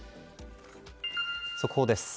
速報です。